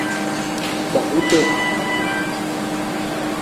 Kpahuta.